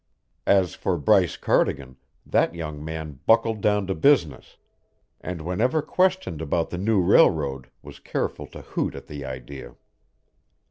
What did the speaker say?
As for Bryce Cardigan, that young man buckled down to business, and whenever questioned about the new railroad was careful to hoot at the idea.